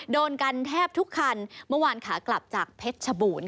โดนกันแทบทุกคันเมื่อวานขากลับจากเพชรชบูรณ์